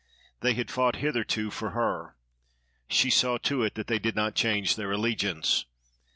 They had fought hitherto for her; she saw to it that they did not change their allegiance.